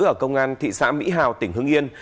ở công an thị xã mỹ hào tỉnh hưng yên